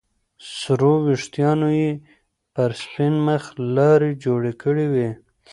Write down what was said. سرو ويښتانو يې پر سپين مخ لارې جوړې کړې وې.